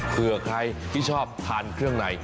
เผื่อใครที่ชอบทานเครื่องใน